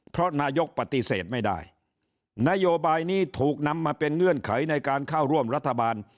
เพราะนายกปฏิเสธไม่ได้นโยบายนี้ถูกนำมาเป็นเงื่อนไขในการเข้าร่วมรัฐบาล